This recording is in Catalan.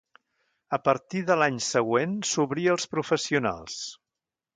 A partir de l'any següent s'obrí als professionals.